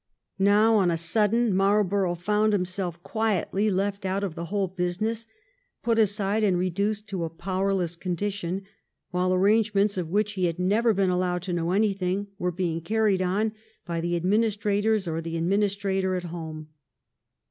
Now on a sudden Marlborough found himself quietly left out of the whole business, put aside and reduced to a power less condition, while arrangements, of which he had never been allowed to know anything, were being carried on by the administrators or the administrator at home.